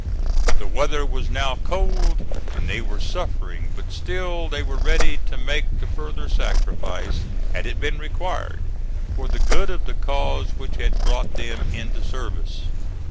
The weather was now cold and they were suffering, but still they were ready to make the further sacrifice, had it been required, for the good of the cause which had brought them into service.